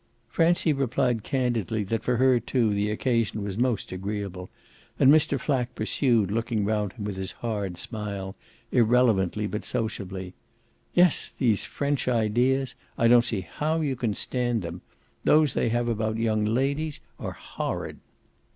Francie replied candidly that for her too the occasion was most agreeable, and Mr. Flack pursued, looking round him with his hard smile, irrelevantly but sociably: "Yes, these French ideas! I don't see how you can stand them. Those they have about young ladies are horrid."